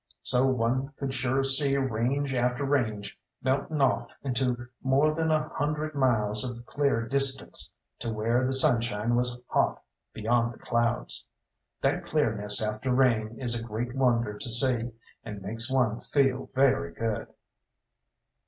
So one could sure see range after range melting off into more than a hundred miles of clear distance, to where the sunshine was hot beyond the clouds. That clearness after rain is a great wonder to see, and makes one feel very good.